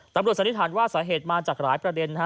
สันนิษฐานว่าสาเหตุมาจากหลายประเด็น